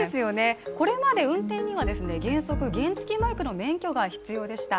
これまで運転には原則、原付きバイクの免許が必要でした。